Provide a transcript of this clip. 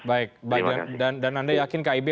baik dan anda yakin kib